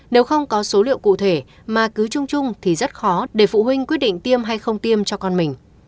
nếu không có số liệu cụ thể mà cứ chung chung thì rất khó để phụ huynh quyết định tiêm hay không tiêm cho con mình